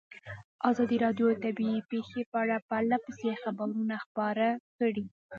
ازادي راډیو د طبیعي پېښې په اړه پرله پسې خبرونه خپاره کړي.